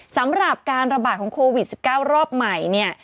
สำหรับการระบาดของโควิด๑๙รอบใหม่เนี่ย